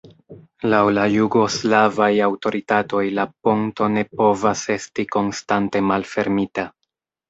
Laŭ la jugoslavaj aŭtoritatoj la ponto ne povas esti konstante malfermita.